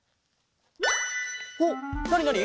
おっなになに？